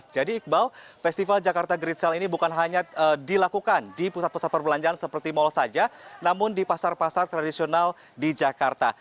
jadi iqbal festival jakarta gritsel ini bukan hanya dilakukan di pusat pusat perbelanjaan seperti mal saja namun di pasar pasar tradisional di jakarta